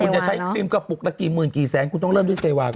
คุณจะใช้กลิ้มกระปุกกี่หมื่นกี่แสนกูต้องเริ่มด้วยเซวาก่อน